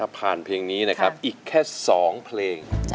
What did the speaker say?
เพลงนี้นะครับอีกแค่๒เพลง